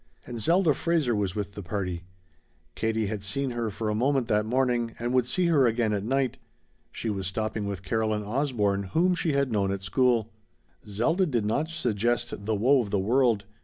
And Zelda Fraser was with the party. Katie had seen her for a moment that morning, and would see her again at night. She was stopping with Caroline Osborne, whom she had known at school. Zelda did not suggest the woe of the world.